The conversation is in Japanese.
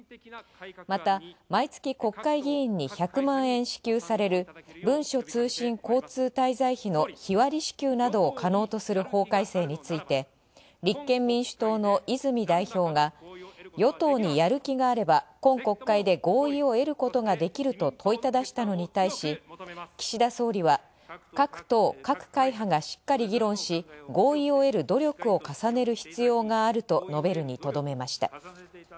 また、毎月国会議員に１００万円支給される文書通信交通滞在費の日割り支給などを可能とする法改正について、立憲民主党の泉代表が「与党にやる気があれば今国会で合意を得ることができる」と問いただしたのに対し、岸田総理は「各党各会派がしっかり議論し合意を得る努力を重ねる必要がある」と述べるにとどめました。